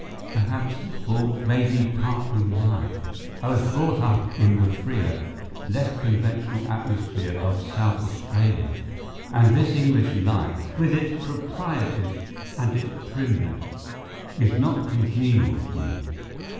Perhaps the fault may be partly mine. I was brought up in the freer, less conventional atmosphere of South Australia, and this English life, with its proprieties and its primness, is not congenial to me.